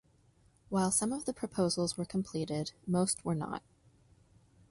While some of the proposals were completed, most were not.